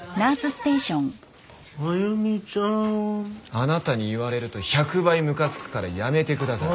あなたに言われると１００倍むかつくからやめてください。